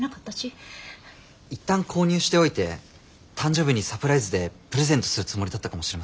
いったん購入しておいて誕生日にサプライズでプレゼントするつもりだったかもしれませんよ。